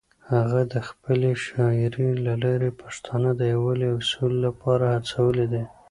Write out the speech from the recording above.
هغه د خپلې شاعرۍ له لارې پښتانه د یووالي او سولې لپاره هڅولي دي.